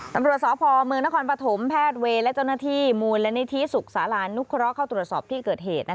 ตำรวจสพเมืองนครปฐมแพทย์เวย์และเจ้าหน้าที่มูลนิธิสุขศาลานุเคราะห์เข้าตรวจสอบที่เกิดเหตุ